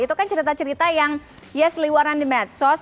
itu kan cerita cerita yang yes seliwaran di medsos